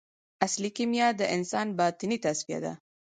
اصلي کیمیا د انسان باطني تصفیه ده.